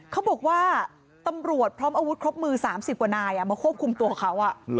เขาบอกว่าตำรวจพร้อมอาวุธครบมือ๓๐กว่านายมาควบคุมตัวเขา